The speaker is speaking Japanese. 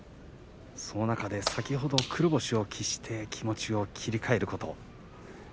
その中で先ほど黒星を喫して気持ちを切り替えること。